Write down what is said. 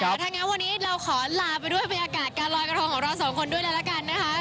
ใช่แล้วถ้างั้นวันนี้เราขอลาไปด้วยเป็นอากาศการรอยกระทงของเราสองคนด้วยแล้วกันนะครับ